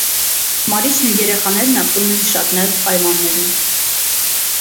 Մարիչն ու երեխաներն ապրում էին շատ նեղ պայմաններում։